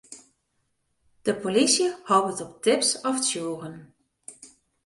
De polysje hopet op tips of tsjûgen.